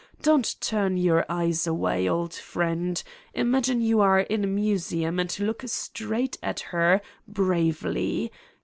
Don't turn your eyes away, old friend. Imagine you are in a museum and look straight at her, bravely.